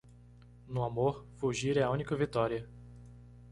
No amor, fugir é a única vitória.